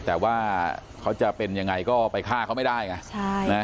แต่ว่าเค้าจะเป็นอย่างไรก็ไปฆ่าเค้าไม่ได้ไงใช่ค่ะ